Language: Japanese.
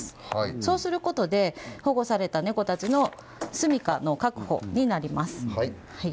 そうすることで保護された猫たちの住みかの確保になります。